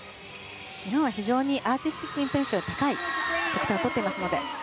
日本は非常にアーティスティックインプレッションが高い得点を取っていますので。